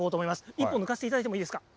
一本、抜かせていただいてもいいですか。